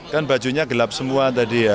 kan bajunya gelap semua tadi ya